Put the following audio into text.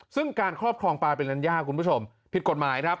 ซึ่งการครอบครองปลาเป็นลัญญาคุณผู้ชมผิดกฎหมายครับ